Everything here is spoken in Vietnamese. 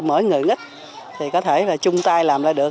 tôi mới ngưỡng ích thì có thể là chung tay làm ra được